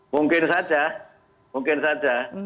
mungkin saja mungkin saja